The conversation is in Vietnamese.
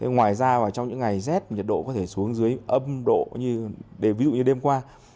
ngoài ra trong những ngày rét nhiệt độ có thể xuống dưới âm độ như đêm qua